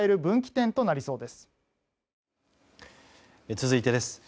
続いてです。